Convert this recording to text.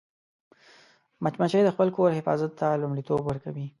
مچمچۍ د خپل کور حفاظت ته لومړیتوب ورکوي